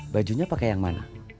bajunya pakai yang mana